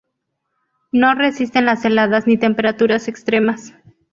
No resisten las heladas ni temperaturas extremas.